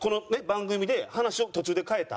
番組で話を途中で変えた。